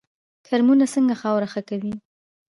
کرمونه څنګه خاوره ښه کوي؟